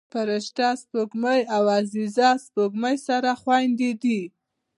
فرشته سپوږمۍ او عزیزه سپوږمۍ سره خویندې دي